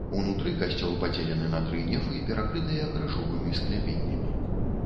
Унутры касцёл падзелены на тры нефы, перакрытыя крыжовымі скляпеннямі.